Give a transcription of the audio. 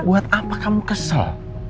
buat apa kamu kesel